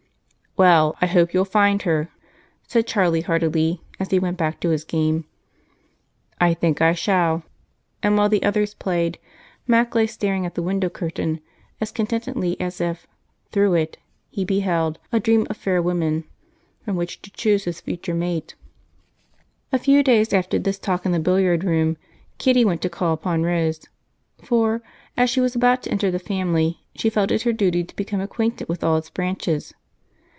"Well, I hope you'll find her!" said Charlie heartily as he went back to his game. "I think I shall." And while the others played, Mac lay staring at the window curtain as contentedly as if, through it, he beheld "a dream of fair women" from which to choose his future mate. A few days after this talk in the billiard room, Kitty went to call upon Rose, for as she was about to enter the family she felt it her duty to become acquainted with all its branches.